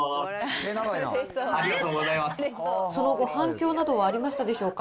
その後、反響などはありましたでしょうか。